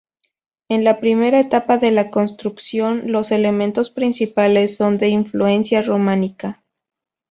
En la primera etapa de la construcción, los elementos principales son de influencia románica.